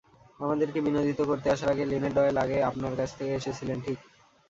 আমাদেরকে বিনোদিত করতে আসার আগে লিনেট ডয়েল আগে আপনার কাছে এসেছিলেন, ঠিক?